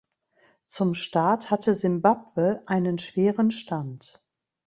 Zum Start hatte Simbabwe einen schweren Stand.